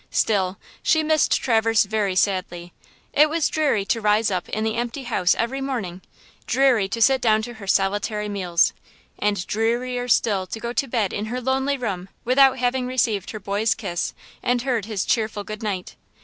Still she missed Traverse very sadly. It was dreary to rise up in the empty house every morning; dreary to sit down to her solitary meals, and drearier still to go to bed in her lonely room without having received her boy's kiss and heard his cheerful good night.